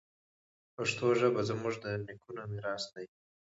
پښتو ژبه زموږ د نیکونو میراث دی.